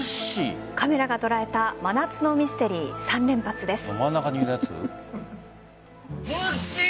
カメラが捉えた真夏のミステリー３連発です。